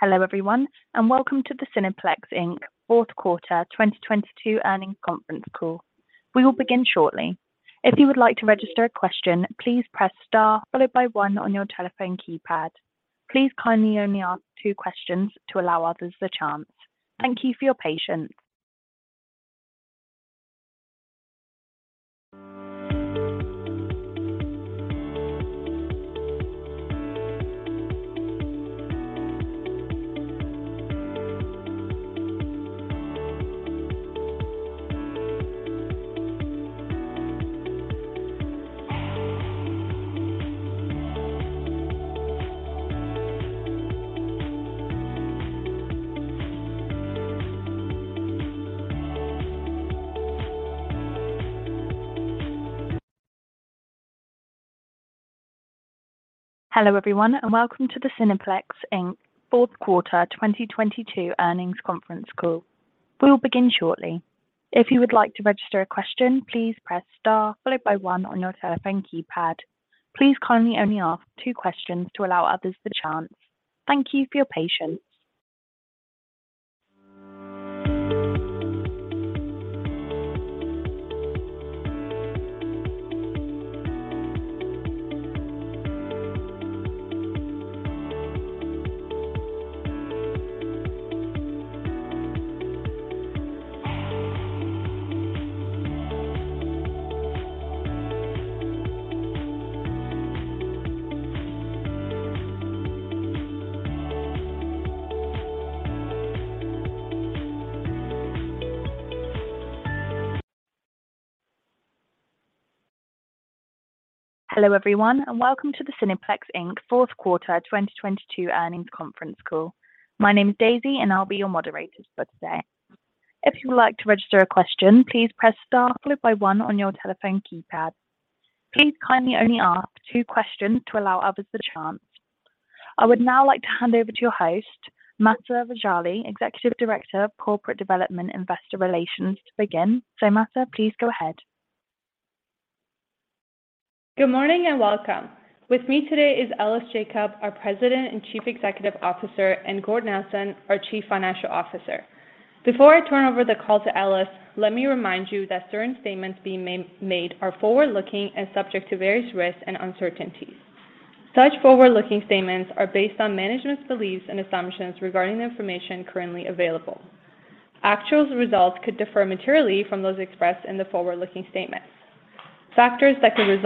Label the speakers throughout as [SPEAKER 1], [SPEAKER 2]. [SPEAKER 1] Hello, everyone, and welcome to the Cineplex Inc. Fourth Quarter 2022 Earnings Conference Call. We will begin shortly. If you would like to register a question, please press star followed by one on your telephone keypad. Please kindly only ask two questions to allow others the chance. Thank you for your patience. Hello, everyone, and welcome to the Cineplex Inc. Fourth Quarter 2022 Earnings Conference Call. We will begin shortly. If you would like to register a question, please press star followed by one on your telephone keypad. Please kindly only ask two questions to allow others the chance. Thank you for your patience. Hello, everyone, and welcome to the Cineplex Inc. Fourth Quarter 2022 Earnings Conference Call. My name is Daisy, and I'll be your moderator for today. If you would like to register a question, please press star followed by one on your telephone keypad. Please kindly only ask two questions to allow others the chance. I would now like to hand over to your host, Mahsa Rejali, Executive Director of Corporate Development Investor Relations, to begin. Mahsa, please go ahead.
[SPEAKER 2] Good morning and welcome. With me today is Ellis Jacob, our President and Chief Executive Officer, and Gord Nelson, our Chief Financial Officer. Before I turn over the call to Ellis, let me remind you that certain statements being made are forward-looking and subject to various risks and uncertainties. Such forward-looking statements are based on management's beliefs and assumptions regarding the information currently available. Actual results could differ materially from those expressed in the forward-looking statements. Factors that could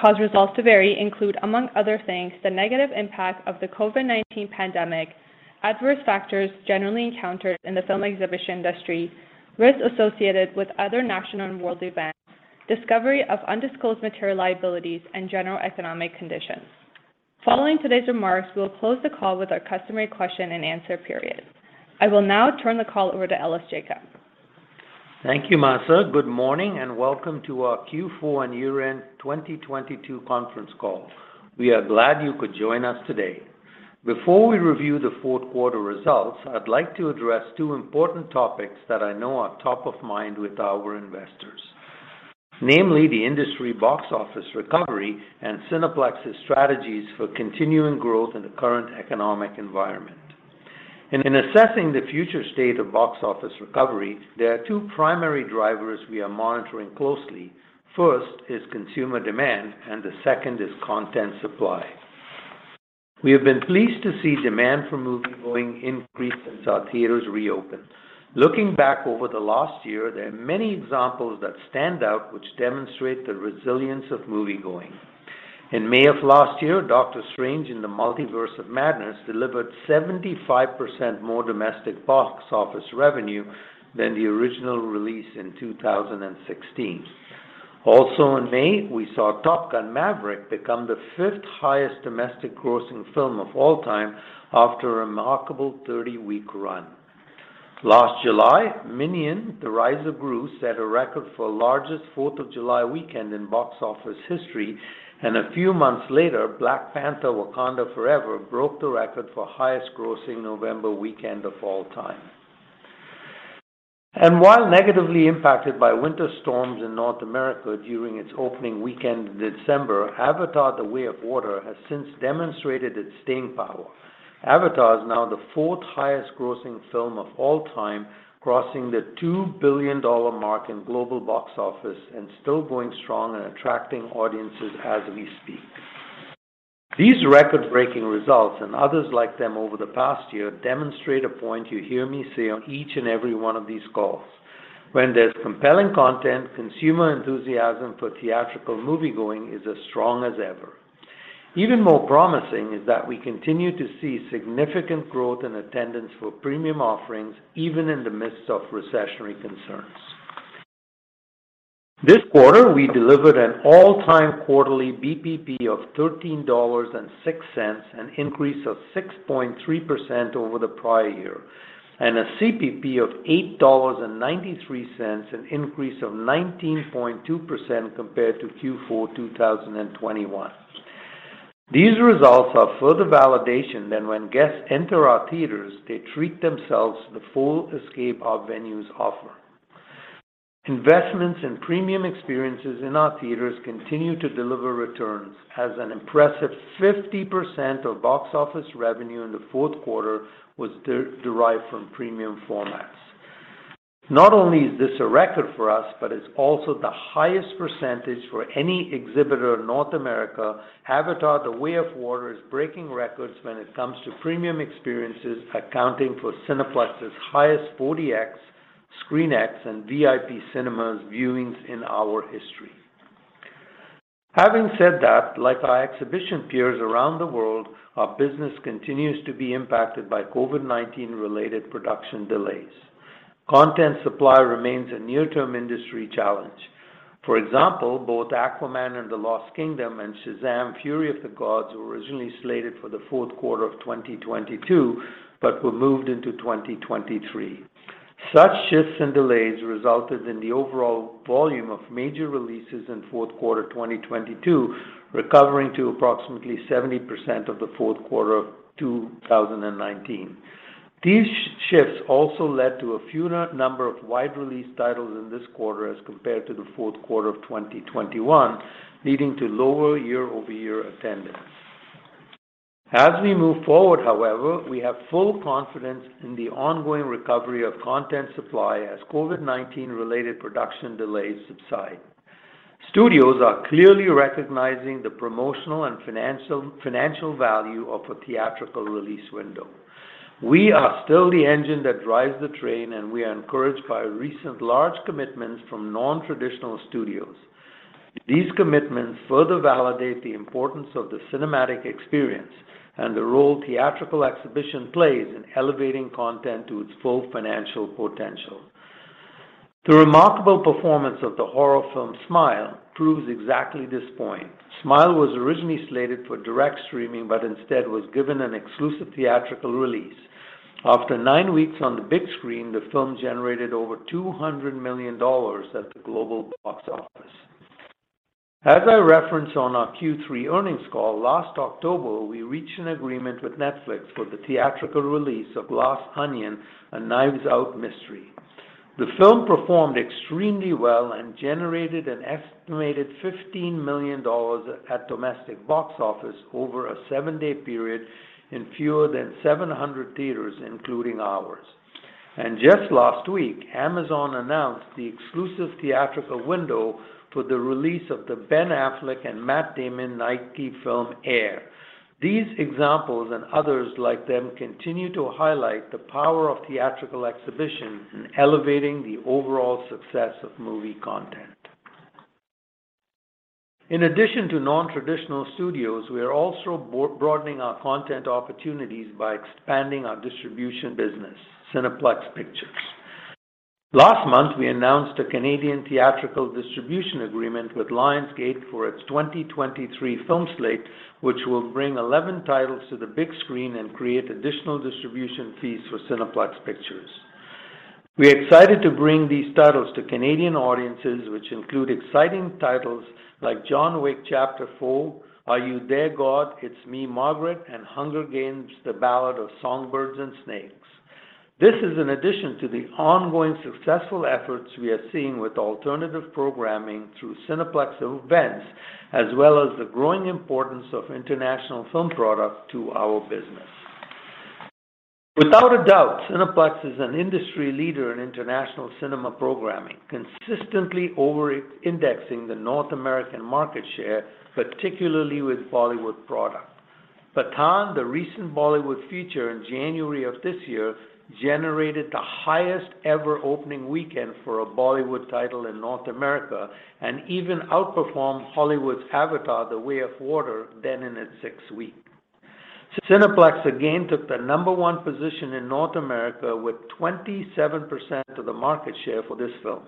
[SPEAKER 2] cause results to vary include, among other things, the negative impact of the COVID-19 pandemic, adverse factors generally encountered in the film exhibition industry, risks associated with other national and world events, discovery of undisclosed material liabilities, and general economic conditions. Following today's remarks, we will close the call with our customary question-and-answer period. I will now turn the call over to Ellis Jacob.
[SPEAKER 3] Thank you, Mahsa. Good morning, welcome to our Q4 and year-end 2022 conference call. We are glad you could join us today. Before we review the fourth quarter results, I'd like to address two important topics that I know are top of mind with our investors. Namely, the industry box office recovery and Cineplex's strategies for continuing growth in the current economic environment. In assessing the future state of box office recovery, there are two primary drivers we are monitoring closely. First is consumer demand, and the second is content supply. We have been pleased to see demand for moviegoing increase since our theaters reopened. Looking back over the last year, there are many examples that stand out which demonstrate the resilience of moviegoing. In May of last year, Doctor Strange in the Multiverse of Madness delivered 75% more domestic box office revenue than the original release in 2016. Also in May, we saw Top Gun: Maverick become the fifth highest domestic grossing film of all time after a remarkable 30-week run. Last July, Minions: The Rise of Gru set a record for largest Fourth of July weekend in box office history. A few months later, Black Panther: Wakanda Forever broke the record for highest grossing November weekend of all time. While negatively impacted by winter storms in North America during its opening weekend in December, Avatar: The Way of Water has since demonstrated its staying power. Avatar is now the fourth highest grossing film of all time, crossing the $2 billion mark in global box office and still going strong and attracting audiences as we speak. These record-breaking results and others like them over the past year demonstrate a point you hear me say on each and every one of these calls. When there's compelling content, consumer enthusiasm for theatrical moviegoing is as strong as ever. Even more promising is that we continue to see significant growth in attendance for premium offerings, even in the midst of recessionary concerns. This quarter, we delivered an all-time quarterly BPP of $13.06, an increase of 6.3% over the prior year, and a CPP of $8.93, an increase of 19.2% compared to Q4 2021. These results are further validation that when guests enter our theaters, they treat themselves the full escape our venues offer. Investments and premium experiences in our theaters continue to deliver returns as an impressive 50% of box office revenue in the fourth quarter was derived from premium formats. Not only is this a record for us, but it's also the highest percentage for any exhibitor in North America. Avatar: The Way of Water is breaking records when it comes to premium experiences, accounting for Cineplex's highest 4DX, ScreenX, and VIP cinemas viewings in our history. Having said that, like our exhibition peers around the world, our business continues to be impacted by COVID-19 related production delays. Content supply remains a near-term industry challenge. For example, both Aquaman and the Lost Kingdom and Shazam! Fury of the Gods were originally slated for the fourth quarter of 2022 but were moved into 2023. Such shifts and delays resulted in the overall volume of major releases in fourth quarter 2022 recovering to approximately 70% of the fourth quarter of 2019. These shifts also led to a fewer number of wide-release titles in this quarter as compared to the fourth quarter of 2021, leading to lower year-over-year attendance. As we move forward, however, we have full confidence in the ongoing recovery of content supply as COVID-19 related production delays subside. Studios are clearly recognizing the promotional and financial value of a theatrical release window. We are still the engine that drives the train, and we are encouraged by recent large commitments from non-traditional studios. These commitments further validate the importance of the cinematic experience and the role theatrical exhibition plays in elevating content to its full financial potential. The remarkable performance of the horror film Smile proves exactly this point. Smile was originally slated for direct streaming but instead was given an exclusive theatrical release. After nine weeks on the big screen, the film generated over $200 million at the global box office. As I referenced on our Q3 earnings call last October, we reached an agreement with Netflix for the theatrical release of Glass Onion: A Knives Out Mystery. The film performed extremely well and generated an estimated $15 million at domestic box office over a seven-day period in fewer than 700 theaters, including ours. Just last week, Amazon announced the exclusive theatrical window for the release of the Ben Affleck and Matt Damon Nike film Air. These examples and others like them continue to highlight the power of theatrical exhibition in elevating the overall success of movie content. In addition to non-traditional studios, we are also broadening our content opportunities by expanding our distribution business, Cineplex Pictures. Last month, we announced a Canadian theatrical distribution agreement with Lionsgate for its 2023 film slate, which will bring 11 titles to the big screen and create additional distribution fees for Cineplex Pictures. We are excited to bring these titles to Canadian audiences, which include exciting titles like John Wick: Chapter 4, Are You There God? It's Me, Margaret., and The Hunger Games: The Ballad of Songbirds & Snakes. This is in addition to the ongoing successful efforts we are seeing with alternative programming through Cineplex Events, as well as the growing importance of international film product to our business. Without a doubt, Cineplex is an industry leader in international cinema programming, consistently overindexing the North American market share, particularly with Bollywood product. Pathaan, the recent Bollywood feature in January of this year, generated the highest ever opening weekend for a Bollywood title in North America and even outperformed Hollywood's Avatar: The Way of Water then in its sixth week. Cineplex again took the number one position in North America with 27% of the market share for this film.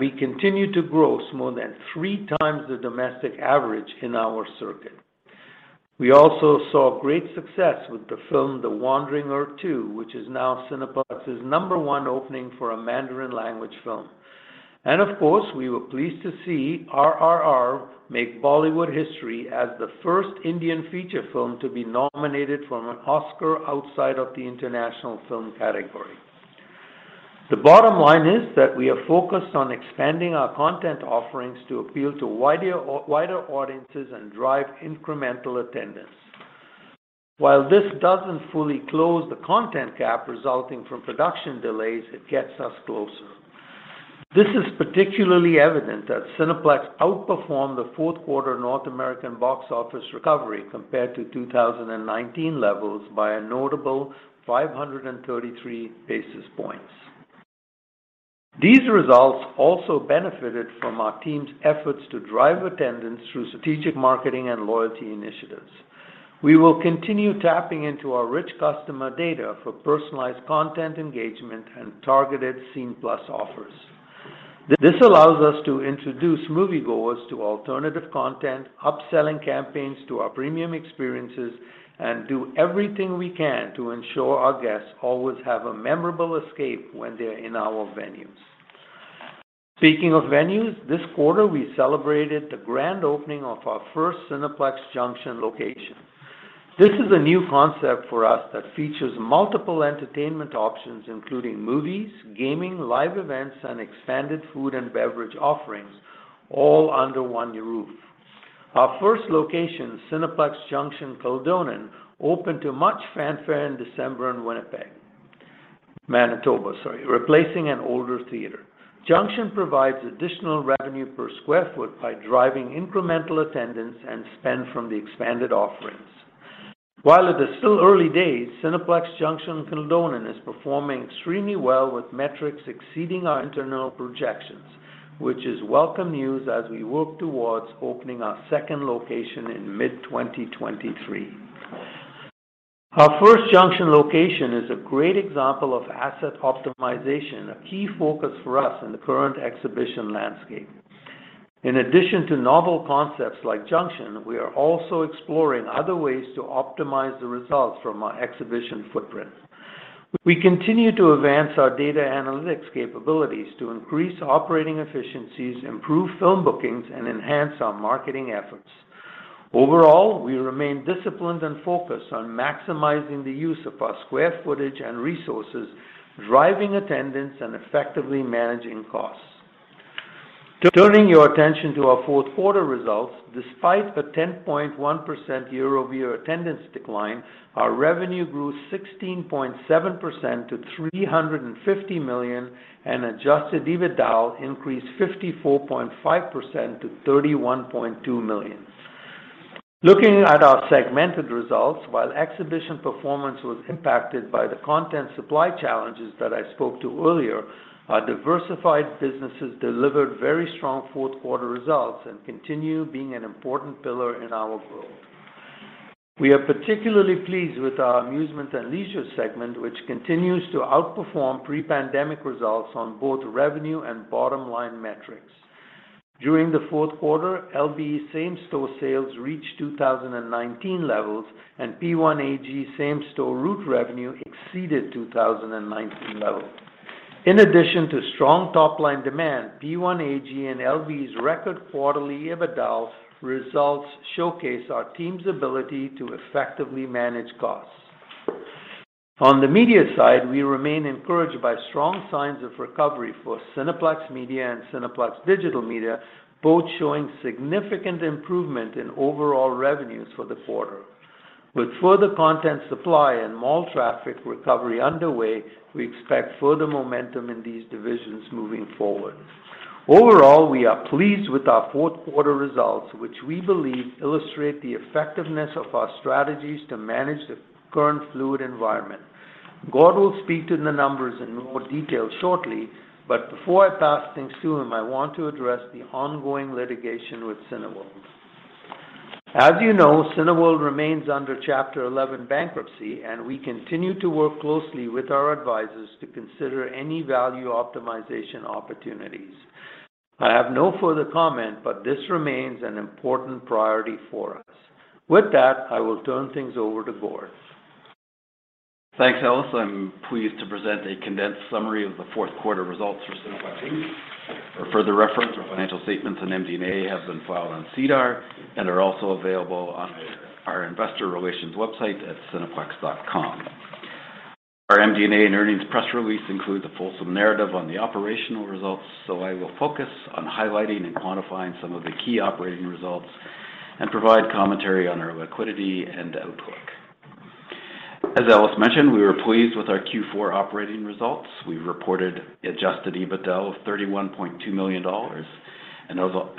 [SPEAKER 3] We continue to gross more than three times the domestic average in our circuit. We also saw great success with the film The Wandering Earth II, which is now Cineplex's number one opening for a Mandarin language film. Of course, we were pleased to see RRR make Bollywood history as the first Indian feature film to be nominated for an Oscar outside of the International Film category. The bottom line is that we are focused on expanding our content offerings to appeal to wider audiences and drive incremental attendance. While this doesn't fully close the content gap resulting from production delays, it gets us closer. This is particularly evident that Cineplex outperformed the fourth quarter North American box office recovery compared to 2019 levels by a notable 533 basis points. These results also benefited from our team's efforts to drive attendance through strategic marketing and loyalty initiatives. We will continue tapping into our rich customer data for personalized content engagement and targeted Scene+ offers. This allows us to introduce moviegoers to alternative content, upselling campaigns to our premium experiences, and do everything we can to ensure our guests always have a memorable escape when they're in our venues. Speaking of venues, this quarter we celebrated the grand opening of our first Cineplex Junxion location. This is a new concept for us that features multiple entertainment options including movies, gaming, live events, and expanded food and beverage offerings, all under one roof. Our first location, Cineplex Junxion Kildonan, opened to much fanfare in December in Winnipeg, Manitoba, sorry, replacing an older theater. Junxion provides additional revenue per square foot by driving incremental attendance and spend from the expanded offerings. While it is still early days, Cineplex Junxion Kildonan is performing extremely well with metrics exceeding our internal projections, which is welcome news as we work towards opening our second location in mid-2023. Our first Junxion location is a great example of asset optimization, a key focus for us in the current exhibition landscape. In addition to novel concepts like Cineplex Junxion, we are also exploring other ways to optimize the results from our exhibition footprint. We continue to advance our data analytics capabilities to increase operating efficiencies, improve film bookings, and enhance our marketing efforts. Overall, we remain disciplined and focused on maximizing the use of our square footage and resources, driving attendance and effectively managing costs. Turning your attention to our fourth quarter results, despite the 10.1% year-over-year attendance decline, our revenue grew 16.7% to 350 million, and adjusted EBITDA increased 54.5% to 31.2 million. Looking at our segmented results, while exhibition performance was impacted by the content supply challenges that I spoke to earlier, our diversified businesses delivered very strong fourth quarter results and continue being an important pillar in our growth. We are particularly pleased with our Amusement and Leisure segment, which continues to outperform pre-pandemic results on both revenue and bottom-line metrics. During the fourth quarter, LBE same-store sales reached 2019 levels, and P1AG same-store route revenue exceeded 2019 levels. In addition to strong top-line demand, P1AG and LBE's record quarterly EBITDA results showcase our team's ability to effectively manage costs. On the media side, we remain encouraged by strong signs of recovery for Cineplex Media and Cineplex Digital Media, both showing significant improvement in overall revenues for the quarter. With further content supply and mall traffic recovery underway, we expect further momentum in these divisions moving forward. Overall, we are pleased with our fourth quarter results, which we believe illustrate the effectiveness of our strategies to manage the current fluid environment. Gord will speak to the numbers in more detail shortly, but before I pass things to him, I want to address the ongoing litigation with Cineworld. As you know, Cineworld remains under Chapter 11 bankruptcy, and we continue to work closely with our advisors to consider any value optimization opportunities. I have no further comment, but this remains an important priority for us. With that, I will turn things over to Gord.
[SPEAKER 4] Thanks, Ellis. I'm pleased to present a condensed summary of the fourth quarter results for Cineplex Inc. For further reference, our financial statements and MD&A have been filed on SEDAR and are also available on our investor relations website at cineplex.com. Our MD&A and earnings press release include the fulsome narrative on the operational results, so I will focus on highlighting and quantifying some of the key operating results and provide commentary on our liquidity and outlook. As Ellis mentioned, we were pleased with our Q4 operating results. We reported adjusted EBITDA of CAD 31.2 million. Although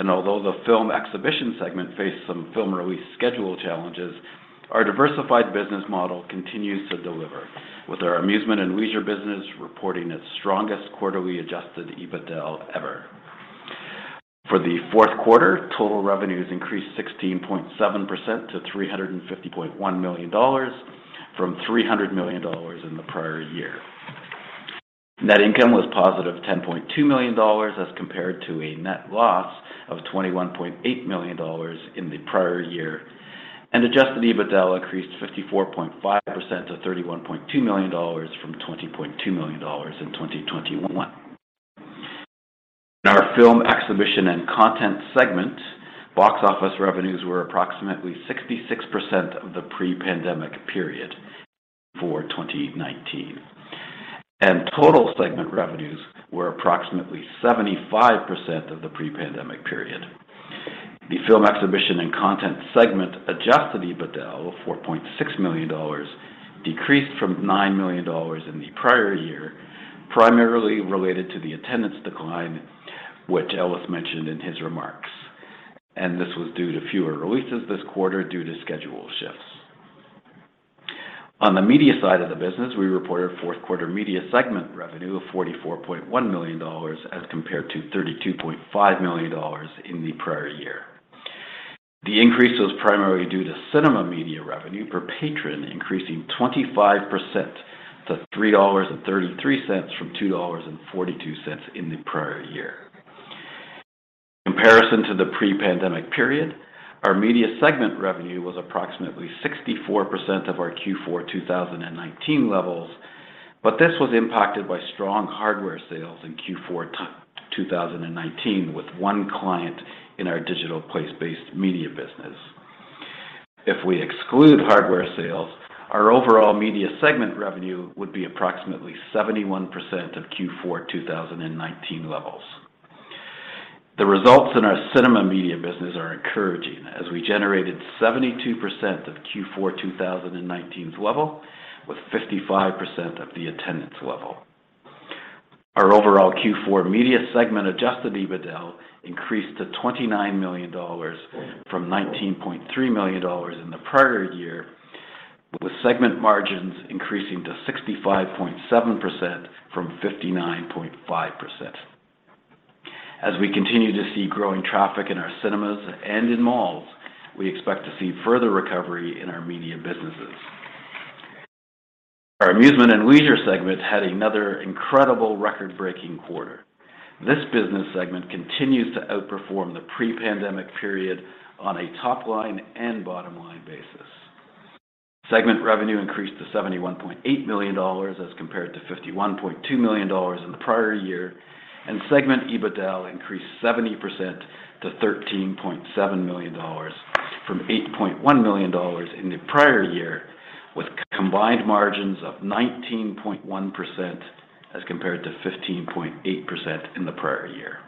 [SPEAKER 4] the film exhibition segment faced some film release schedule challenges, our diversified business model continues to deliver, with our Amusement and Leisure business reporting its strongest quarterly-adjusted EBITDA ever. For the fourth quarter, total revenues increased 16.7% to 350.1 million dollars from 300 million dollars in the prior year. Net income was positive 10.2 million dollars as compared to a net loss of 21.8 million dollars in the prior year. Adjusted EBITDA increased 54.5% to 31.2 million dollars from 20.2 million dollars in 2021. In our Film Exhibition and Content segment, box office revenues were approximately 66% of the pre-pandemic period for 2019. Total segment revenues were approximately 75% of the pre-pandemic period. The Film Exhibition and Content segment adjusted EBITDA of 4.6 million dollars decreased from nine million dollars in the prior year, primarily related to the attendance decline, which Ellis mentioned in his remarks. This was due to fewer releases this quarter due to schedule shifts. On the media side of the business, we reported fourth quarter Media segment revenue of 44.1 million dollars as compared to 32.5 million dollars in the prior year. The increase was primarily due to cinema media revenue per patron increasing 25% to 3.33 dollars from 2.42 dollars in the prior year. In comparison to the pre-pandemic period, our Media segment revenue was approximately 64% of our Q4 2019 levels. This was impacted by strong hardware sales in Q4 2019 with one client in our digital place-based media business. If we exclude hardware sales, our overall media segment revenue would be approximately 71% of Q4 2019 levels. The results in our cinema media business are encouraging as we generated 72% of Q4 2019 level with 55% of the attendance level. Our overall Q4 media segment adjusted EBITDA increased to 29 million dollars from 19.3 million dollars in the prior year, with segment margins increasing to 65.7% from 59.5%. We continue to see growing traffic in our cinemas and in malls, we expect to see further recovery in our media businesses. Our amusement and leisure segment had another incredible record-breaking quarter. This business segment continues to outperform the pre-pandemic period on a top-line and bottom-line basis. Segment revenue increased to 71.8 million dollars as compared to 51.2 million dollars in the prior year. Segment EBITDA increased 70% to 13.7 million dollars from 8.1 million dollars in the prior year, with combined margins of 19.1% as compared to 15.8% in the prior year.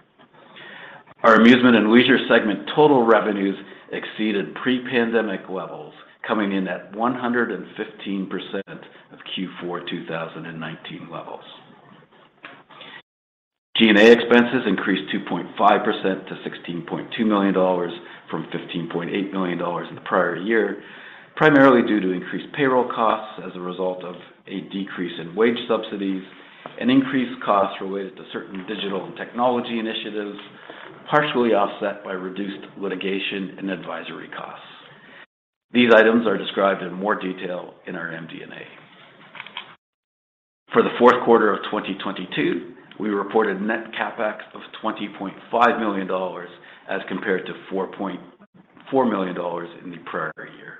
[SPEAKER 4] Our amusement and leisure segment total revenues exceeded pre-pandemic levels coming in at 115% of Q4 2019 levels. G&A expenses increased 2.5% to 16.2 million dollars from 15.8 million dollars in the prior year, primarily due to increased payroll costs as a result of a decrease in wage subsidies and increased costs related to certain digital and technology initiatives, partially offset by reduced litigation and advisory costs. These items are described in more detail in our MD&A. For the fourth quarter of 2022, we reported net CapEx of 20.5 million dollars as compared to 4.4 million dollars in the prior year.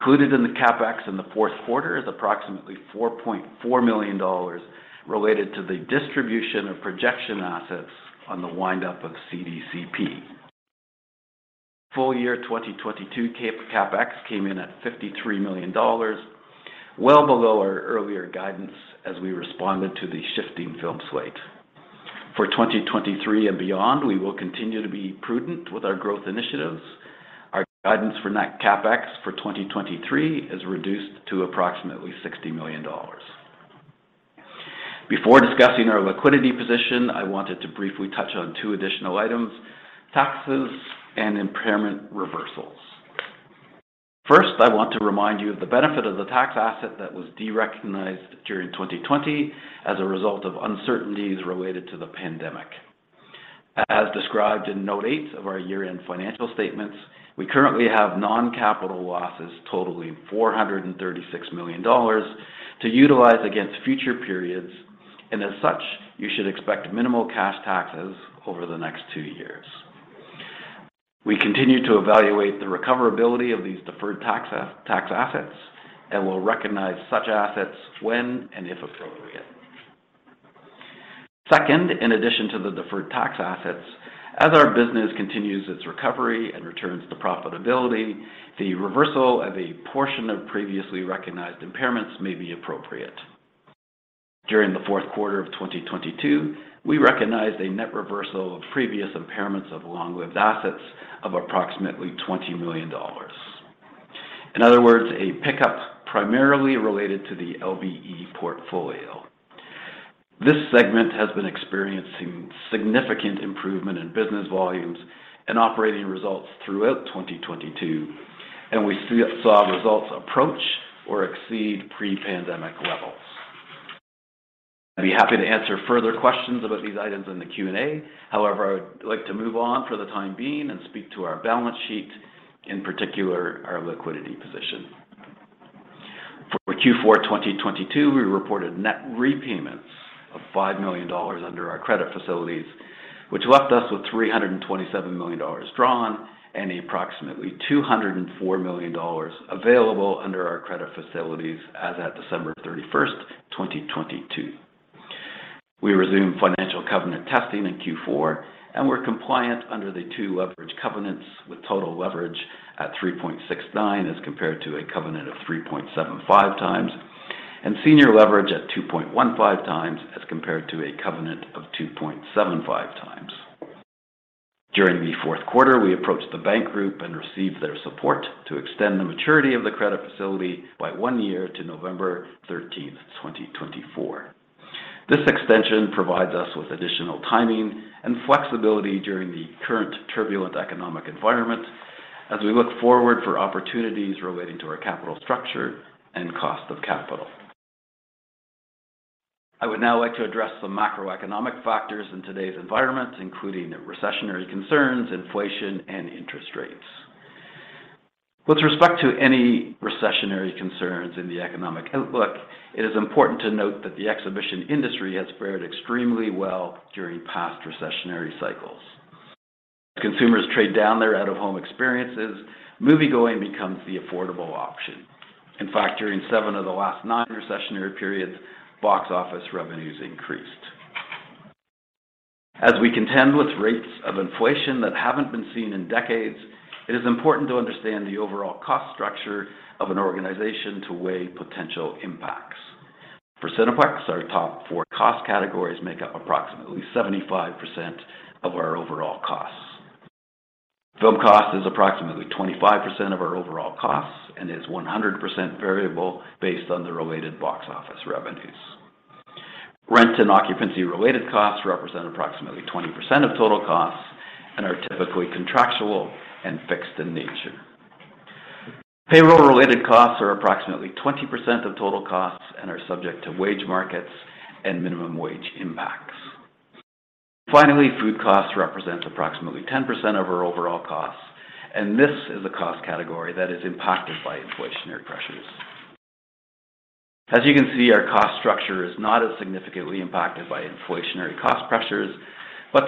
[SPEAKER 4] Included in the CapEx in the fourth quarter is approximately 4.4 million dollars related to the distribution of projection assets on the wind up of CDCP. Full year 2022 CapEx came in at 53 million dollars, well below our earlier guidance as we responded to the shifting film slate. For 2023 and beyond, we will continue to be prudent with our growth initiatives. Our guidance for net CapEx for 2023 is reduced to approximately 60 million dollars. Before discussing our liquidity position, I wanted to briefly touch on two additional items, taxes and impairment reversals. First, I want to remind you of the benefit of the tax asset that was derecognized during 2020 as a result of uncertainties related to the pandemic. As described in note eight of our year-end financial statements, we currently have non-capital losses totaling 436 million dollars to utilize against future periods. As such, you should expect minimal cash taxes over the next two years. We continue to evaluate the recoverability of these deferred tax assets, we'll recognize such assets when and if appropriate. Second, in addition to the deferred tax assets, as our business continues its recovery and returns to profitability, the reversal of a portion of previously recognized impairments may be appropriate. During the fourth quarter of 2022, we recognized a net reversal of previous impairments of long-lived assets of approximately 20 million dollars. In other words, a pickup primarily related to the LBE portfolio. This segment has been experiencing significant improvement in business volumes and operating results throughout 2022, and we saw results approach or exceed pre-pandemic levels. I'd be happy to answer further questions about these items in the Q&A. However, I would like to move on for the time being and speak to our balance sheet, in particular, our liquidity position. For Q4 2022, we reported net repayments of five million dollars under our credit facilities, which left us with 327 million dollars drawn and approximately 204 million dollars available under our credit facilities as at December 31st, 2022. We resumed financial covenant testing in Q4, and we're compliant under the two leverage covenants with total leverage at 3.69 as compared to a covenant of 3.75 times, and senior leverage at 2.15 times as compared to a covenant of 2.75 times. During the fourth quarter, we approached the bank group and received their support to extend the maturity of the credit facility by one year to November 13, 2024. This extension provides us with additional timing and flexibility during the current turbulent economic environment as we look forward for opportunities relating to our capital structure and cost of capital. I would now like to address the macroeconomic factors in today's environment, including recessionary concerns, inflation, and interest rates. With respect to any recessionary concerns in the economic outlook, it is important to note that the exhibition industry has fared extremely well during past recessionary cycles. Consumers trade down their out-of-home experiences, moviegoing becomes the affordable option. In fact, during seven of the last nine recessionary periods, box office revenues increased. As we contend with rates of inflation that haven't been seen in decades, it is important to understand the overall cost structure of an organization to weigh potential impacts. For Cineplex, our top four cost categories make up approximately 75% of our overall costs. Film cost is approximately 25% of our overall costs and is 100% variable based on the related box office revenues. Rent and occupancy-related costs represent approximately 20% of total costs and are typically contractual and fixed in nature. Payroll-related costs are approximately 20% of total costs and are subject to wage markets and minimum wage impacts. Finally, food costs represent approximately 10% of our overall costs, and this is a cost category that is impacted by inflationary pressures. As you can see, our cost structure is not as significantly impacted by inflationary cost pressures.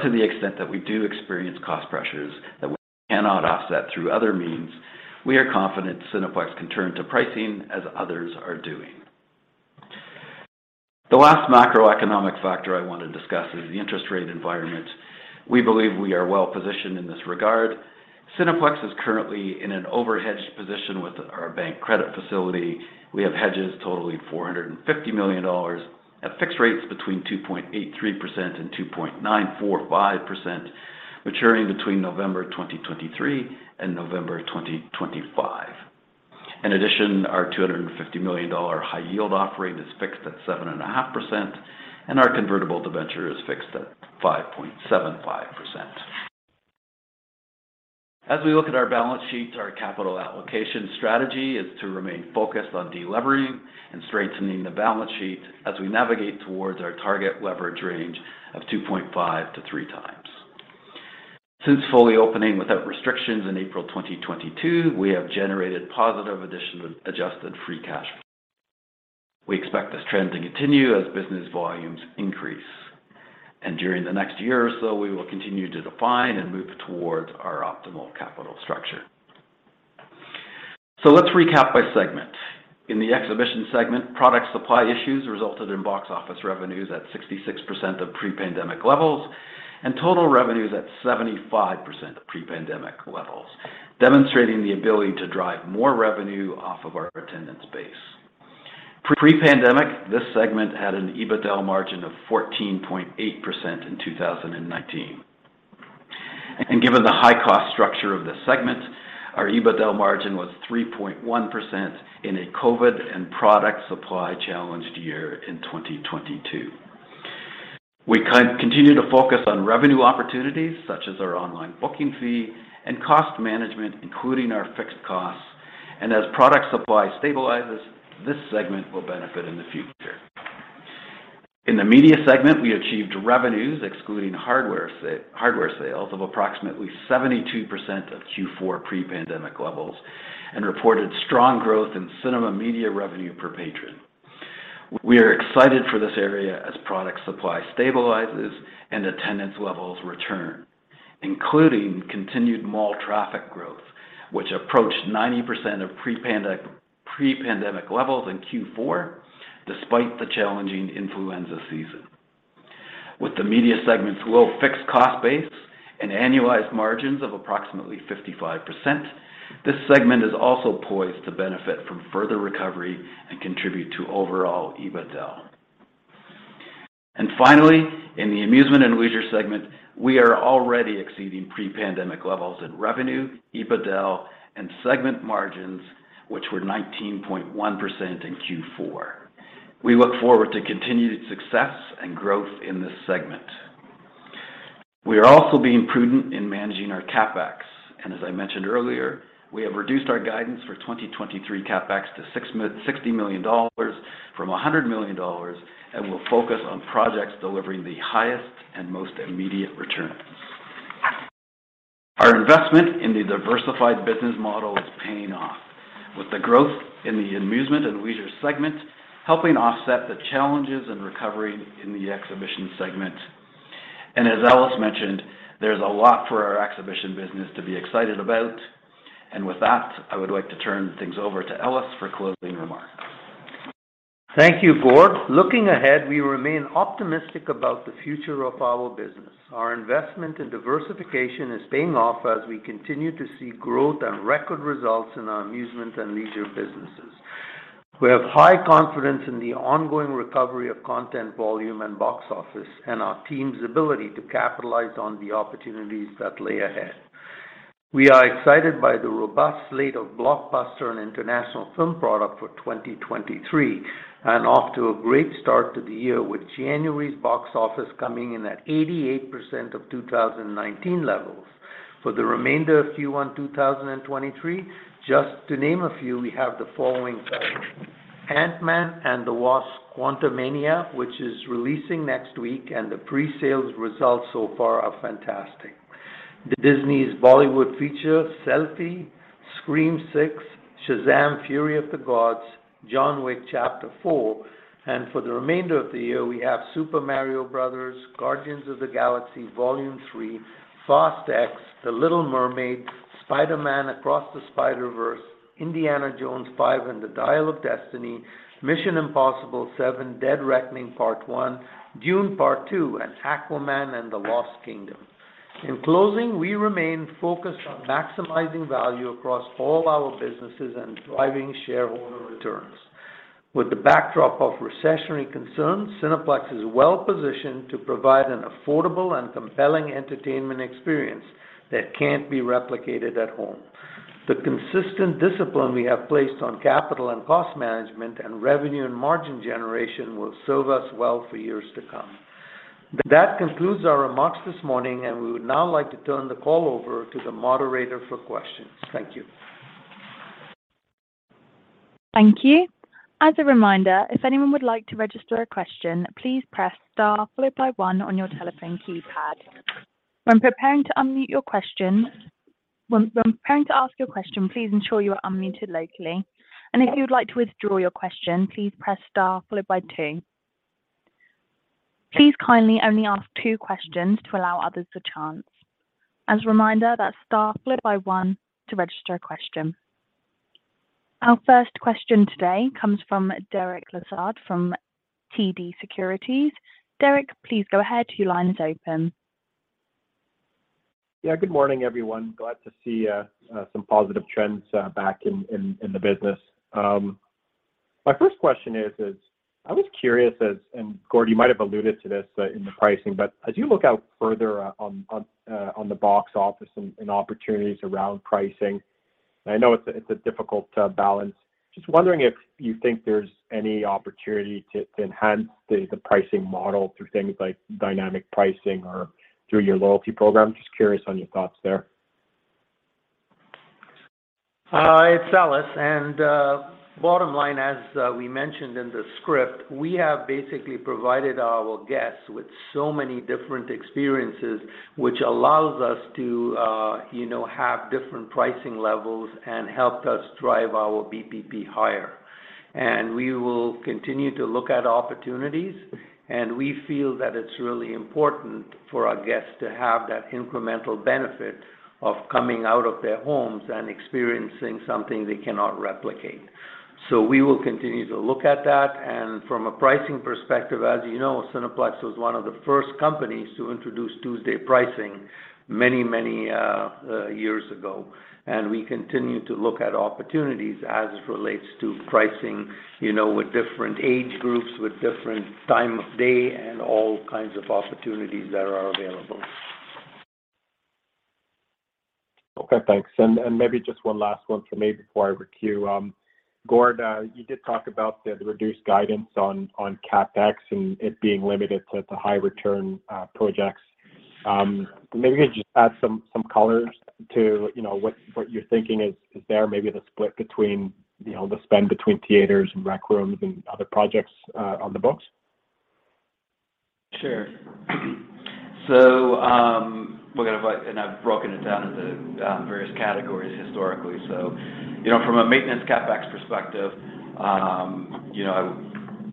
[SPEAKER 4] To the extent that we do experience cost pressures that we cannot offset through other means, we are confident Cineplex can turn to pricing as others are doing. The last macroeconomic factor I want to discuss is the interest rate environment. We believe we are well-positioned in this regard. Cineplex is currently in an over-hedged position with our bank credit facility. We have hedges totaling 450 million dollars at fixed rates between 2.83% and 2.945%, maturing between November 2023 and November 2025. Our 250 million dollar high-yield offering is fixed at 7.5%, and our convertible debenture is fixed at 5.75%. As we look at our balance sheets, our capital allocation strategy is to remain focused on delevering and strengthening the balance sheet as we navigate towards our target leverage range of 2.5 to three times. Since fully opening without restrictions in April 2022, we have generated positive Adjusted Free Cash. We expect this trend to continue as business volumes increase. During the next year or so, we will continue to define and move towards our optimal capital structure. Let's recap by segment. In the exhibition segment, product supply issues resulted in box office revenues at 66% of pre-pandemic levels and total revenues at 75% of pre-pandemic levels, demonstrating the ability to drive more revenue off of our attendance base. Pre-pandemic, this segment had an EBITDA margin of 14.8% in 2019. Given the high cost structure of this segment, our EBITDA margin was 3.1% in a COVID and product supply challenged year in 2022. We continue to focus on revenue opportunities such as our online booking fee and cost management, including our fixed costs. As product supply stabilizes, this segment will benefit in the future. In the media segment, we achieved revenues excluding hardware sales of approximately 72% of Q4 pre-pandemic levels and reported strong growth in cinema media revenue per patron. We are excited for this area as product supply stabilizes and attendance levels return, including continued mall traffic growth, which approached 90% of pre-pandemic levels in Q4 despite the challenging influenza season. With the media segment's low fixed cost base and annualized margins of approximately 55%, this segment is also poised to benefit from further recovery and contribute to overall EBITDA. Finally, in the amusement and leisure segment, we are already exceeding pre-pandemic levels in revenue, EBITDA, and segment margins, which were 19.1% in Q4. We look forward to continued success and growth in this segment. We are also being prudent in managing our CapEx. As I mentioned earlier, we have reduced our guidance for 2023 CapEx to $60 million from $100 million, and we'll focus on projects delivering the highest and most immediate returns. Our investment in the diversified business model is paying off with the growth in the amusement and leisure segment, helping offset the challenges and recovery in the exhibition segment. As Ellis mentioned, there's a lot for our exhibition business to be excited about. With that, I would like to turn things over to Ellis for closing remarks.
[SPEAKER 3] Thank you, Gord. Looking ahead, we remain optimistic about the future of our business. Our investment in diversification is paying off as we continue to see growth and record results in our amusement and leisure businesses. We have high confidence in the ongoing recovery of content volume and box office and our team's ability to capitalize on the opportunities that lay ahead. We are excited by the robust slate of blockbuster and international film product for 2023 and off to a great start to the year with January's box office coming in at 88% of 2019 levels. For the remainder of Q1 2023, just to name a few, we have the following titles: Ant-Man and the Wasp: Quantumania, which is releasing next week, and the pre-sales results so far are fantastic. The Disney's Bollywood feature, Selfiee, Scream VI, Shazam! Fury of the Gods, John Wick: Chapter 4. For the remainder of the year, we have The Super Mario Bros. Movie, Guardians of the Galaxy Vol. 3, Fast X, The Little Mermaid, Spider-Man: Across the Spider-Verse, Indiana Jones 5 and the Dial of Destiny, Mission Impossible 7: Dead Reckoning Part One, Dune: Part Two, and Aquaman and the Lost Kingdom. In closing, we remain focused on maximizing value across all our businesses and driving shareholder returns. With the backdrop of recessionary concerns, Cineplex is well-positioned to provide an affordable and compelling entertainment experience that can't be replicated at home. The consistent discipline we have placed on capital and cost management and revenue and margin generation will serve us well for years to come. That concludes our remarks this morning, and we would now like to turn the call over to the moderator for questions. Thank you.
[SPEAKER 1] Thank you. As a reminder, if anyone would like to register a question, please press star followed by one on your telephone keypad. When preparing to ask your question, please ensure you are unmuted locally. If you'd like to withdraw your question, please press star followed by two. Please kindly only ask two questions to allow others the chance. As a reminder, that's star followed by one to register a question. Our first question today comes from Derek Lessard from TD Securities. Derek, please go ahead, your line is open.
[SPEAKER 5] Yeah, good morning, everyone. Glad to see some positive trends back in the business. My first question is I was curious as Gord, you might have alluded to this in the pricing, as you look out further on the box office and opportunities around pricing, I know it's a difficult balance. Just wondering if you think there's any opportunity to enhance the pricing model through things like dynamic pricing or through your loyalty program. Just curious on your thoughts there.
[SPEAKER 3] It's Ellis. Bottom line, as we mentioned in the script, we have basically provided our guests with so many different experiences, which allows us to, you know, have different pricing levels and helped us drive our BPP higher. We will continue to look at opportunities, and we feel that it's really important for our guests to have that incremental benefit of coming out of their homes and experiencing something they cannot replicate. We will continue to look at that. From a pricing perspective, as you know, Cineplex was one of the first companies to introduce Tuesday pricing many years ago. We continue to look at opportunities as it relates to pricing, you know, with different age groups, with different time of day, and all kinds of opportunities that are available.
[SPEAKER 5] Okay, thanks. Maybe just one last one for me before I queue. Gord, you did talk about the reduced guidance on CapEx and it being limited to high return projects. Maybe you could just add some color as to, you know, what you're thinking is there maybe the split between, you know, the spend between theaters and rec rooms and other projects on the books?
[SPEAKER 4] Sure. And I've broken it down into various categories historically. You know, from a maintenance CapEx perspective,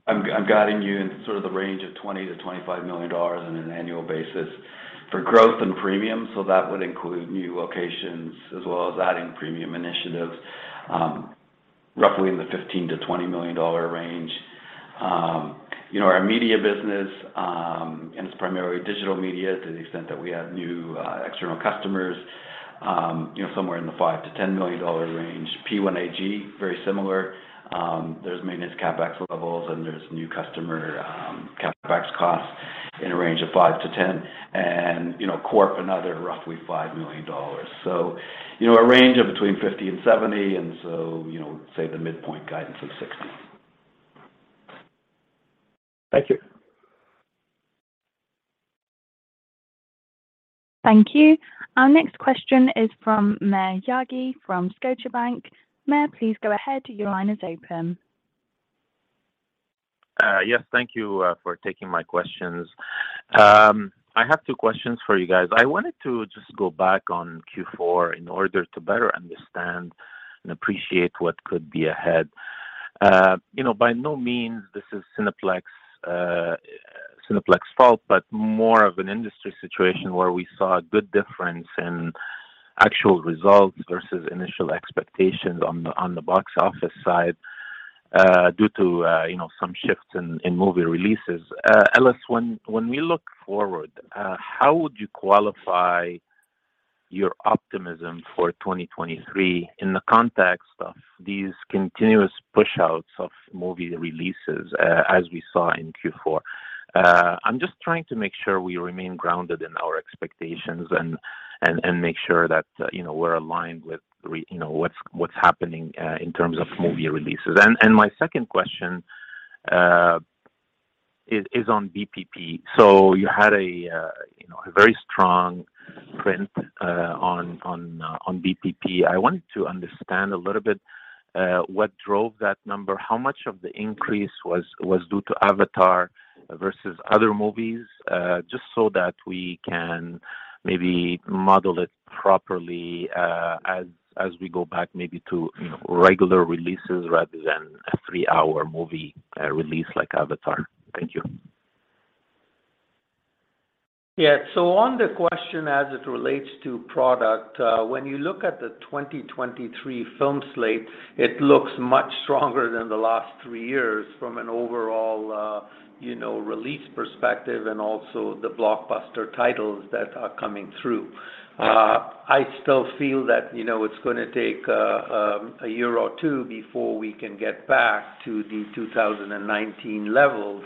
[SPEAKER 4] I'm guiding you in sort of the range of 20 million-25 million dollars on an annual basis. For growth and premium, so that would include new locations as well as adding premium initiatives, roughly in the 15 million-20 million dollar range. You know, our media business, and it's primarily digital media to the extent that we have new external customers, somewhere in the five million-10 million dollar range. P1AG, very similar. There's maintenance CapEx levels, and there's new customer CapEx costs in a range of five million-10 million. Corp, another roughly five million dollars.
[SPEAKER 3] you know, a range of between 50 and 70, and so, you know, say the midpoint guidance of 60.
[SPEAKER 5] Thank you.
[SPEAKER 1] Thank you. Our next question is from Maher Yaghi from Scotiabank. Maher, please go ahead, your line is open.
[SPEAKER 6] Yes. Thank you for taking my questions. I have two questions for you guys. I wanted to just go back on Q4 in order to better understand and appreciate what could be ahead. You know, by no means this is Cineplex's fault, but more of an industry situation where we saw a good difference in actual results versus initial expectations on the, on the box office side, due to, you know, some shifts in movie releases. Ellis, when we look forward, how would you qualify your optimism for 2023 in the context of these continuous push-outs of movie releases, as we saw in Q4? I'm just trying to make sure we remain grounded in our expectations and make sure that, you know, we're aligned with, you know, what's happening in terms of movie releases. My second question is on BPP. You had a, you know, a very strong print on BPP. I wanted to understand what drove that number? How much of the increase was due to Avatar versus other movies? Just so that we can maybe model it properly as we go back maybe to, you know, regular releases rather than a three-hour movie release like Avatar. Thank you.
[SPEAKER 3] Yeah. On the question as it relates to product, when you look at the 2023 film slate, it looks much stronger than the last three years from an overall, you know, release perspective and also the blockbuster titles that are coming through. I still feel that, you know, it's going to take a year or two before we can get back to the 2019 levels.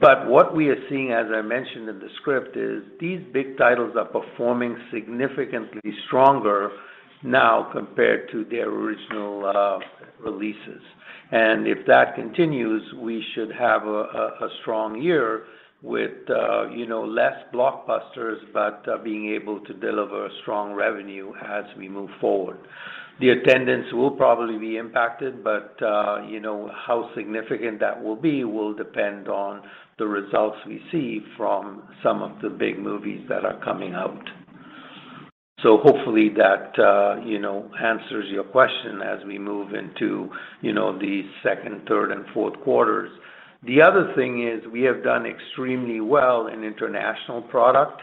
[SPEAKER 3] What we are seeing, as I mentioned in the script, is these big titles are performing significantly stronger now compared to their original releases. If that continues, we should have a strong year with, you know, less blockbusters, but being able to deliver strong revenue as we move forward. The attendance will probably be impacted, but, you know, how significant that will be will depend on the results we see from some of the big movies that are coming out. Hopefully that, you know, answers your question as we move into, you know, the second, third and fourth quarters. The other thing is we have done extremely well in international product,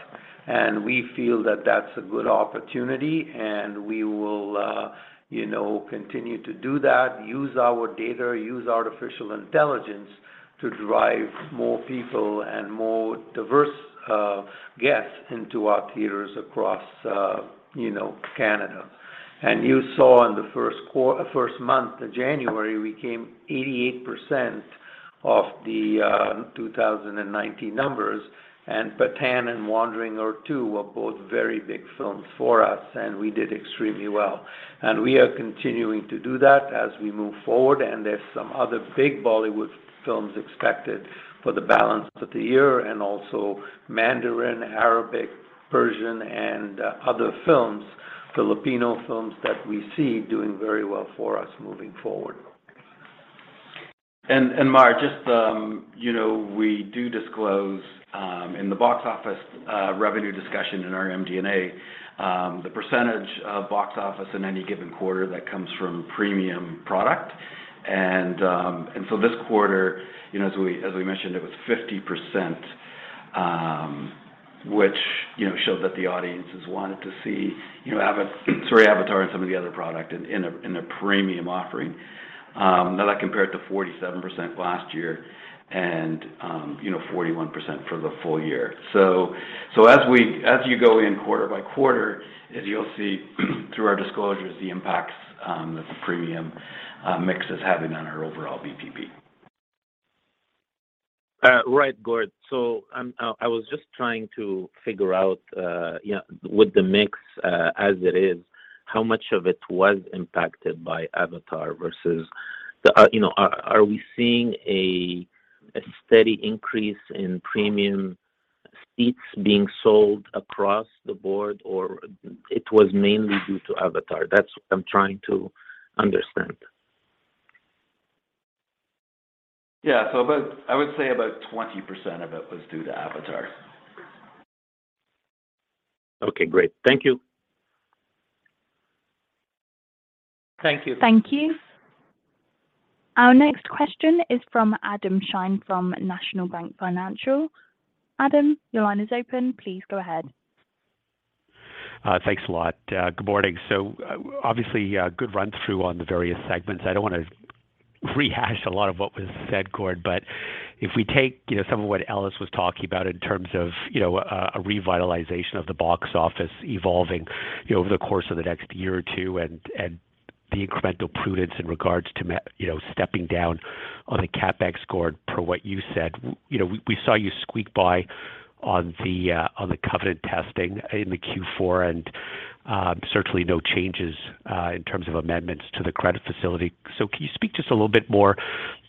[SPEAKER 3] and we feel that that's a good opportunity and we will, you know, continue to do that, use our data, use artificial intelligence to drive more people and more diverse guests into our theaters across, you know, Canada. You saw in the first month, January, we came 88% of the 2019 numbers. Pathaan and The Wandering Earth II were both very big films for us, and we did extremely well. We are continuing to do that as we move forward. There's some other big Bollywood films expected for the balance of the year and also Mandarin, Arabic, Persian and other films, Filipino films that we see doing very well for us moving forward.
[SPEAKER 4] Maher, just, you know, we do disclose in the box office revenue discussion in our MD&A, the % of box office in any given quarter that comes from premium product. This quarter, you know, as we mentioned, it was 50%, which, you know, showed that the audiences wanted to see Avatar and some of the other product in a premium offering, now that compared to 47% last year and, you know, 41% for the full year. As you go in quarter by quarter is you'll see through our disclosures the impacts that the premium mix is having on our overall VPP.
[SPEAKER 6] Right, Gord. I was just trying to figure out, you know, with the mix, as it is, how much of it was impacted by Avatar versus the... You know, are we seeing a steady increase in premium seats being sold across the board, or it was mainly due to Avatar? That's what I'm trying to understand.
[SPEAKER 4] Yeah. I would say about 20% of it was due to Avatar.
[SPEAKER 6] Okay, great. Thank you.
[SPEAKER 3] Thank you.
[SPEAKER 1] Thank you. Our next question is from Adam Shine from National Bank Financial. Adam, your line is open please go ahead.
[SPEAKER 7] Thanks a lot. Good morning. Obviously, good run through on the various segments. I don't want to rehash a lot of what was said, Gord, but if we take, you know, some of what Ellis was talking about in terms of, you know, a revitalization of the box office evolving, you know, over the course of the next year or two and the incremental prudence in regards to you know, stepping down on the CapEx, Gord, per what you said. You know, we saw you squeak by on the covenant testing in the Q4 and certainly no changes in terms of amendments to the credit facility. Can you speak just a little bit more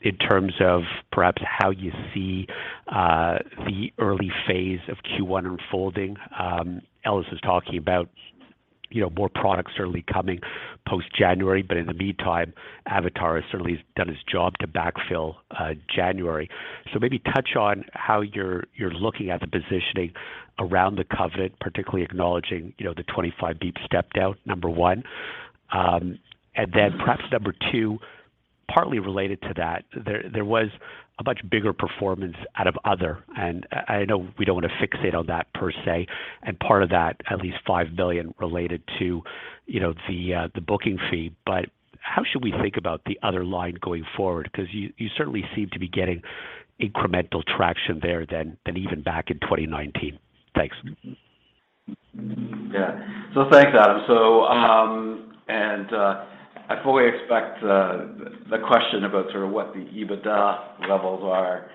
[SPEAKER 7] in terms of perhaps how you see the early phase of Q1 unfolding? Ellis is talking about, you know, more products certainly coming post January, but in the meantime, Avatar has certainly done its job to backfill January. Maybe touch on how you're looking at the positioning around the covenant, particularly acknowledging, you know, the 25 beep stepped out, number one? Then perhaps number two, partly related to that, there was a much bigger performance out of other. I know we don't want to fixate on that per se, and part of that at least five billion related to, you know, the booking fee. How should we think about the other line going forward? 'Cause you certainly seem to be getting incremental traction there than even back in 2019. Thanks.
[SPEAKER 4] Yeah. Thanks, Adam. I fully expect the question about sort of what the EBITDA levels are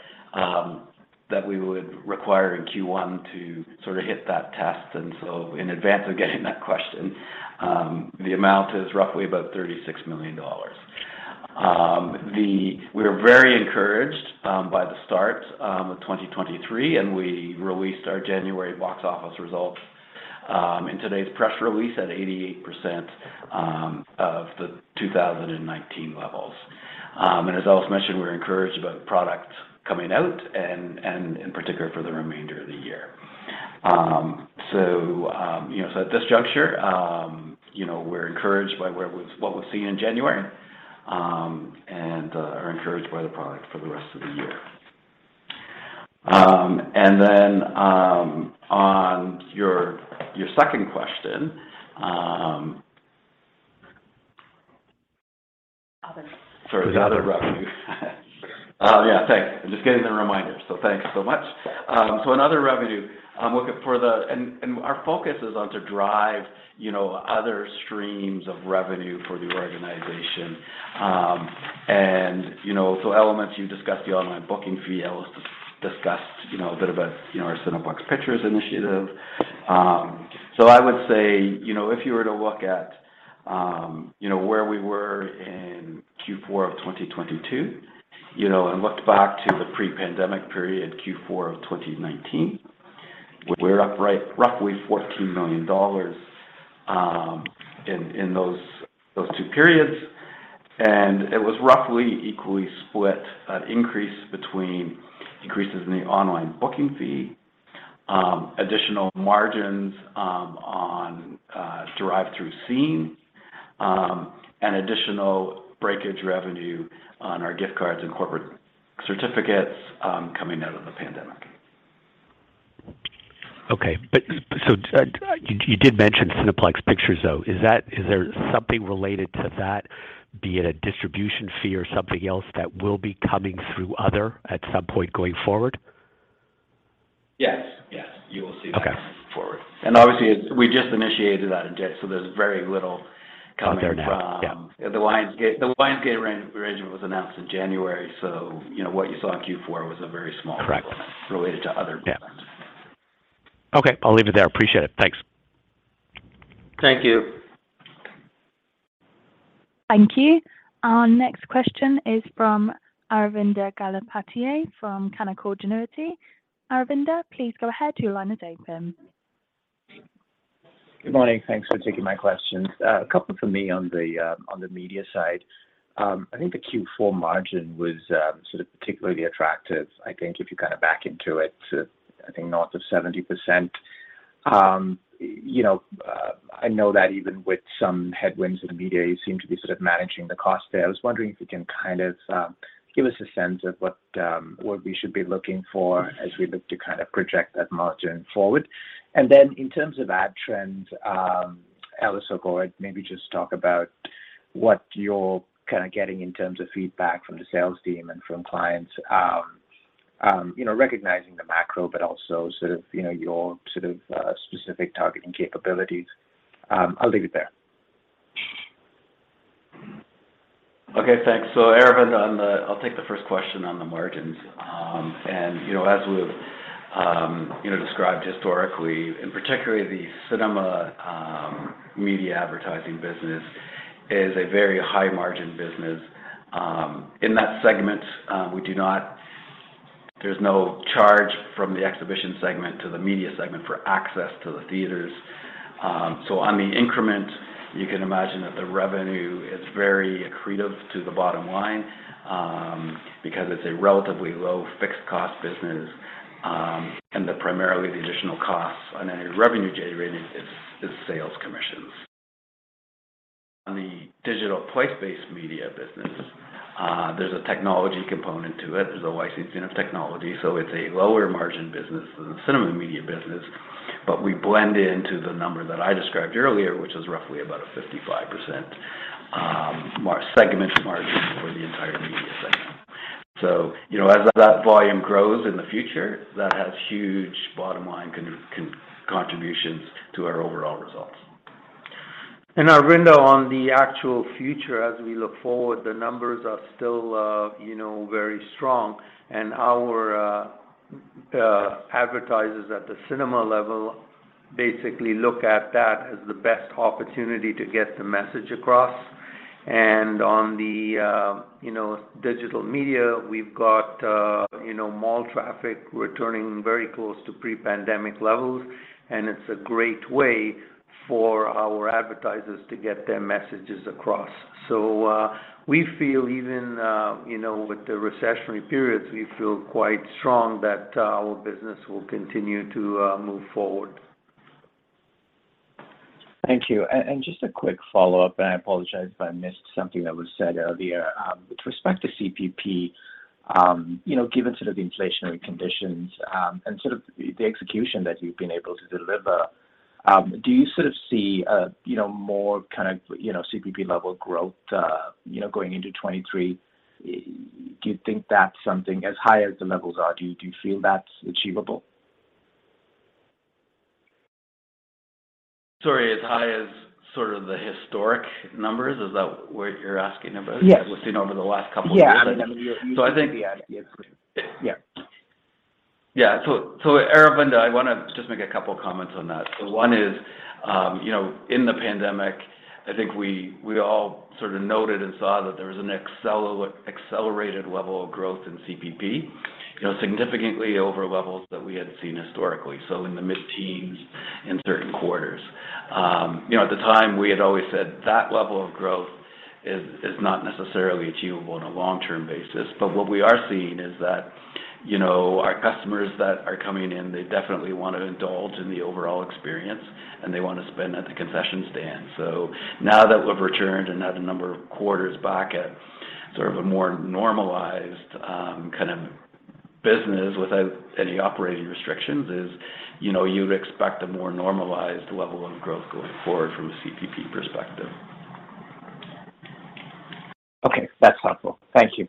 [SPEAKER 4] that we would require in Q1 to sort of hit that test. In advance of getting that question, the amount is roughly about CAD 36 million. We are very encouraged by the start of 2023, and we released our January box office results in today's press release at 88% of the 2019 levels. As I also mentioned, we're encouraged about products coming out and in particular for the remainder of the year. At this juncture, you know, we're encouraged by what we've seen in January, and are encouraged by the product for the rest of the year. Then, on your second question.
[SPEAKER 3] Other.
[SPEAKER 4] Sorry, the other revenue. Yeah, thanks. I'm just getting the reminders, so thanks so much. In other revenue, I'm looking for. Our focus is on to drive, you know, other streams of revenue for the organization. You know, elements you discussed the online booking fee. Ellis discussed, you know, a bit about, you know, our Cineplex Pictures initiative. I would say, you know, if you were to look at, you know, where we were in Q4 of 2022, you know, looked back to the pre-pandemic period, Q4 of 2019, we're up right, roughly 14 million dollars in those two periods. It was roughly equally split an increase between increases in the online booking fee, additional margins, on drive-through scene, and additional breakage revenue on our gift cards and corporate certificates, coming out of the pandemic.
[SPEAKER 7] You did mention Cineplex Pictures, though. Is there something related to that, be it a distribution fee or something else that will be coming through other at some point going forward?
[SPEAKER 4] Yes. Yes. You will see that.
[SPEAKER 3] Okay.
[SPEAKER 4] going forward. Obviously, we just initiated that in January, so there's very little coming from...
[SPEAKER 3] Out there now. Yeah.
[SPEAKER 4] The Lionsgate arrangement was announced in January, you know, what you saw in Q4 was a very.
[SPEAKER 3] Correct.
[SPEAKER 4] -element related to other plans.
[SPEAKER 7] Yeah. Okay, I'll leave it there. Appreciate it. Thanks.
[SPEAKER 4] Thank you.
[SPEAKER 1] Thank you. Our next question is from Aravinda Galappatthige from Canaccord Genuity. Aravinda, please go ahead with your line open.
[SPEAKER 8] Good morning. Thanks for taking my questions. A couple for me on the media side. I think the Q4 margin was sort of particularly attractive. If you kind of back into it to north of 70%. You know, I know that even with some headwinds in the media, you seem to be sort of managing the cost there. I was wondering if you can kind of give us a sense of what we should be looking for as we look to kind of project that margin forward. In terms of ad trends, Ellis or Gord, maybe just talk about what you're kind of getting in terms of feedback from the sales team and from clients, you know, recognizing the macro, but also sort of, you know, your sort of, specific targeting capabilities. I'll leave it there.
[SPEAKER 4] Okay, thanks. Aravinda, I'll take the first question on the margins. You know, as we've, you know, described historically, and particularly the cinema media advertising business is a very high margin business. In that segment, there's no charge from the exhibition segment to the media segment for access to the theaters. On the increment, you can imagine that the revenue is very accretive to the bottom line because it's a relatively low-fixed cost business, and primarily the additional costs on any revenue generating is sales commissions. On the digital place-based media business, there's a technology component to it. There's a licensing of technology, it's a lower margin business than the cinema media business. We blend into the number that I described earlier, which is roughly about a 55% segment margin for the entire media segment. You know, as that volume grows in the future, that has huge bottom line contributions to our overall results.
[SPEAKER 3] Aravinda on the actual future as we look forward, the numbers are still, you know, very strong. Our advertisers at the cinema level basically look at that as the best opportunity to get the message across. On the, you know, digital media, we've got, you know, mall traffic returning very close to pre-pandemic levels, and it's a great way for our advertisers to get their messages across. We feel even, you know, with the recessionary periods, we feel quite strong that our business will continue to move forward.
[SPEAKER 8] Thank you. Just a quick follow-up, and I apologize if I missed something that was said earlier. With respect to CPP, you know, given sort of the inflationary conditions, and sort of the execution that you've been able to deliver, do you sort of see, you know, more kind of, you know, CPP level growth, you know, going into 2023? Do you think that's something as high as the levels are, do you feel that's achievable?
[SPEAKER 4] Sorry, as high as sort of the historic numbers? Is that what you're asking about?
[SPEAKER 8] Yes.
[SPEAKER 4] Within over the last couple of years.
[SPEAKER 8] Yeah.
[SPEAKER 4] So I think-
[SPEAKER 8] The idea is clear. Yeah.
[SPEAKER 4] Aravinda, I wanna just make a couple comments on that. One is, you know, in the pandemic, I think we all sort of noted and saw that there was an accelerated level of growth in CPP, you know, significantly over levels that we had seen historically, in the mid-teens in certain quarters. You know, at the time, we had always said that level of growth is not necessarily achievable on a long-term basis. What we are seeing is that, you know, our customers that are coming in, they definitely wanna indulge in the overall experience, and they wanna spend at the concession stand. Now that we've returned and had a number of quarters back at sort of a more normalized kind of business without any operating restrictions is, you know, you'd expect a more normalized level of growth going forward from a CPP perspective.
[SPEAKER 8] Okay. That's helpful. Thank you.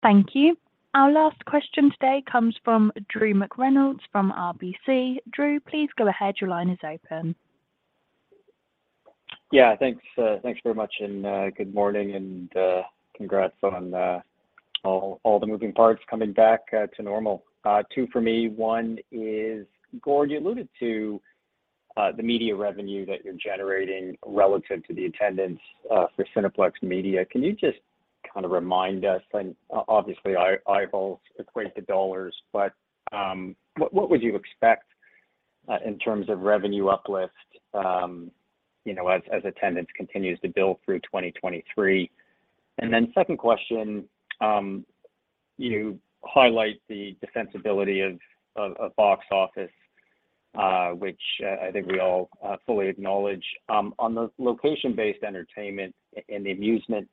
[SPEAKER 4] No problem.
[SPEAKER 1] Thank you. Our last question today comes from Drew McReynolds from RBC. Drew, please go ahead, your line is open.
[SPEAKER 9] Yeah. Thanks, thanks very much, good morning, and congrats on all the moving parts coming back to normal. Two for me. One is, Gord, you alluded to the media revenue that you're generating relative to the attendance for Cineplex Media. Can you just kind of remind us, and obviously, I've also equate the dollars, but what would you expect in terms of revenue uplift, you know, as attendance continues to build through 2023? Second question, you highlight the defensibility of box office, which I think we all fully acknowledge. On the location-based entertainment and the amusement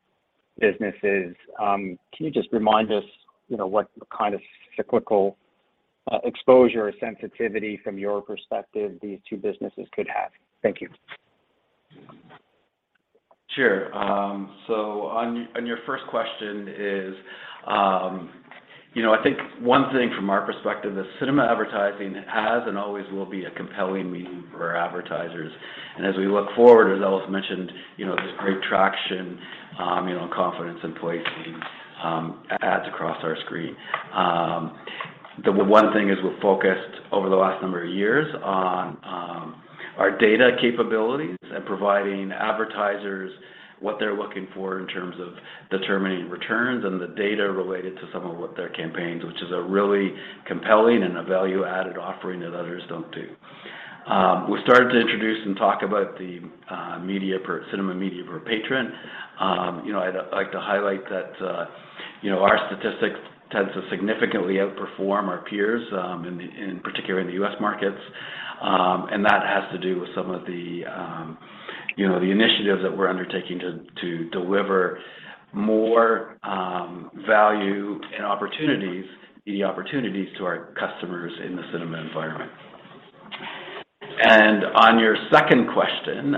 [SPEAKER 9] businesses, can you just remind us, you know, what kind of cyclical exposure or sensitivity from your perspective these two businesses could have? Thank you.
[SPEAKER 4] Sure. On, on your first question is, you know, I think one thing from our perspective is cinema advertising has and always will be a compelling medium for advertisers. As we look forward, as Ellis mentioned, you know, there's great traction, you know, confidence in placing ads across our screen. The one thing is we're focused over the last number of years on our data capabilities and providing advertisers what they're looking for in terms of determining returns and the data related to some of what their campaigns, which is a really compelling and a value-added offering that others don't do. We started to introduce and talk about the cinema media per patron. You know, I'd like to highlight that, you know, our statistics tends to significantly outperform our peers in particular in the U.S. markets. That has to do with some of the, you know, the initiatives that we're undertaking to deliver more value and opportunities to our customers in the cinema environment. On your second question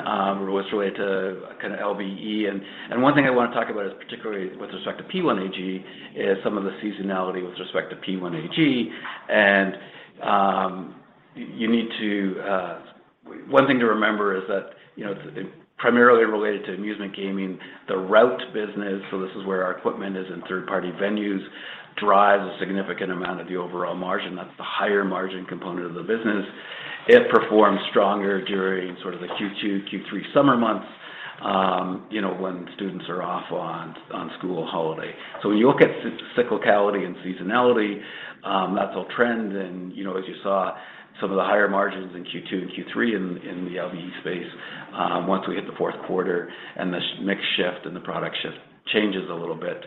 [SPEAKER 4] was related to kind of LBE. One thing I want to talk about is particularly with respect to P1AG is some of the seasonality with respect to P1AG. You need to. One thing to remember is that, you know, primarily related to amusement gaming, the route business, so this is where our equipment is in third-party venues, drives a significant amount of the overall margin. That's the higher margin component of the business. It performs stronger during sort of the Q2, Q3 summer months, you know, when students are off on school holiday. When you look at cyclicality and seasonality, that's all trend. You know, as you saw some of the higher margins in Q2 and Q3 in the LBE space, once we hit the fourth quarter and the mix shift and the product shift changes a little bit,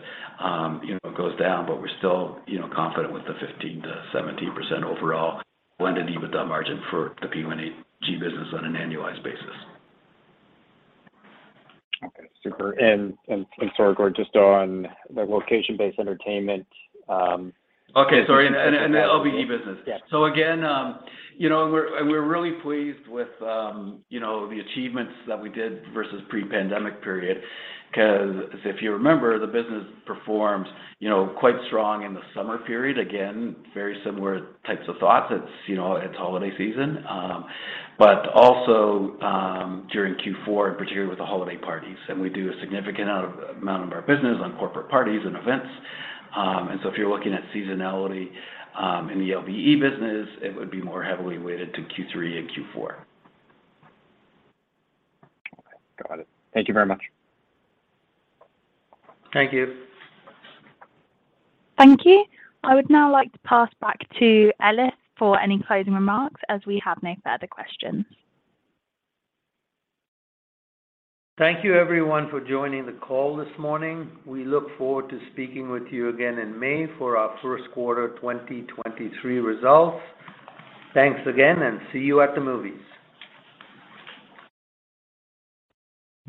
[SPEAKER 4] you know, it goes down, but we're still, you know, confident with the 15%-17% overall blended EBITDA margin for the P1AG business on an annualized basis.
[SPEAKER 9] Okay. Super. Sorry, Gord, just on the location-based entertainment.
[SPEAKER 4] Okay. Sorry. The LBE business.
[SPEAKER 9] Yeah.
[SPEAKER 4] Again, you know, and we're really pleased with, you know, the achievements that we did versus pre-pandemic period. Because if you remember, the business performed, you know, quite strong in the summer period. Again, very similar types of thoughts. It's, you know, it's holiday season. Also, during Q4, in particular with the holiday parties. We do a significant amount of our business on corporate parties and events. If you're looking at seasonality, in the LBE business, it would be more heavily weighted to Q3 and Q4.
[SPEAKER 9] Okay. Got it. Thank you very much.
[SPEAKER 4] Thank you.
[SPEAKER 1] Thank you. I would now like to pass back to Ellis for any closing remarks, as we have no further questions.
[SPEAKER 3] Thank you everyone for joining the call this morning. We look forward to speaking with you again in May for our first quarter 2023 results. Thanks again, and see you at the movies.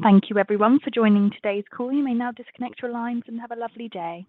[SPEAKER 1] Thank you everyone for joining today's call. You may now disconnect your lines and have a lovely day.